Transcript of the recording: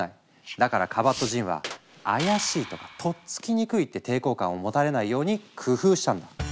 だからカバットジンは「怪しい」とか「とっつきにくい」って抵抗感を持たれないように工夫したんだ。